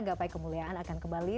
gapai kemuliaan akan kembali